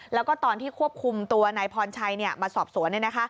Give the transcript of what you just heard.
แล้วก็ตอนที่ควบคุมตัวนายพรชัยมาสอบสวน